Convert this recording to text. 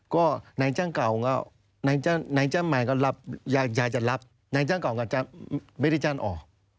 ก็แน่นแจ้งเก่าก็แน่นแจ้งใหม่ก็อยากจะรับแน่นแจ้งเก่าก็ไม่ได้จ้านออก